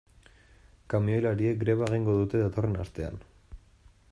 Kamioilariek greba egingo dute datorren astean.